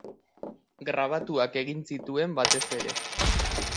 Grabatuak egin zituen batez ere.